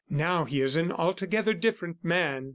... Now he is an altogether different man."